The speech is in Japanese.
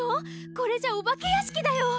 これじゃお化けやしきだよ！